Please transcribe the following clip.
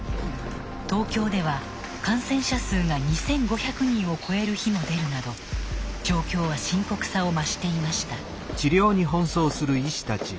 東京では感染者数が２，５００人を超える日も出るなど状況は深刻さを増していました。